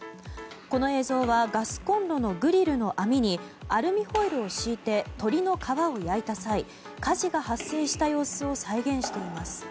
この映像はガスコンロのグリルの網にアルミホイルを敷いて鶏の皮を焼いた際火事が発生した様子を再現しています。